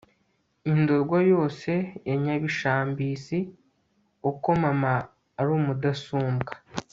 i ndorwa yose ya nyabishambisi uko mama ari mudasumbwa